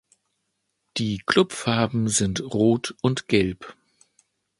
Die Klubfarben sind rot und gelb.